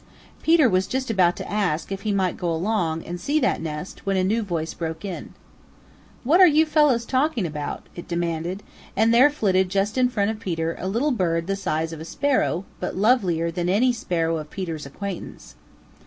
Peter was just about to ask if he might go along and see that nest when a new voice broke in. "What are you fellows talking about?" it demanded, and there flitted just in front of Peter a little bird the size of a Sparrow but lovelier than any Sparrow of Peter's acquaintance.